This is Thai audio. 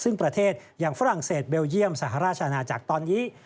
ซึ่งประเทศอย่างฝรั่งเศสเบลเยี่ยมสหราชอาณาจักรตอนนี้